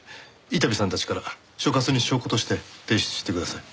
伊丹さんたちから所轄に証拠として提出してください。